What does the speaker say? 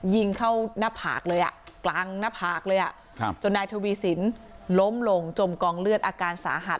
ยิงเข้าหน้าผากเลยอ่ะกลางหน้าผากเลยอ่ะจนนายทวีสินล้มลงจมกองเลือดอาการสาหัส